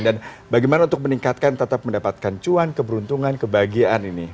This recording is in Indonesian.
dan bagaimana untuk meningkatkan tetap mendapatkan cuan keberuntungan kebahagiaan ini